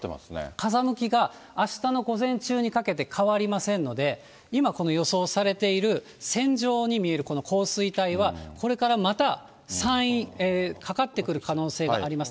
風向きがあしたの午前中にかけて、変わりませんので、今、この予想されている、線状に見える降水帯は、これからまた山陰、かかってくる可能性があります。